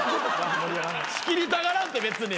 仕切りたがらんって別に。